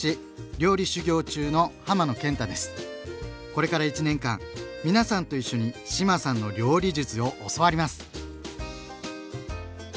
これから１年間皆さんと一緒に志麻さんの料理術を教わります！